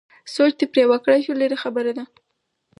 سوچ دې پرې وکړای شو لرې خبره ده.